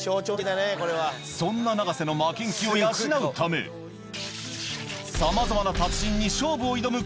そんな永瀬の負けん気を養うため、さまざまな達人に勝負を挑む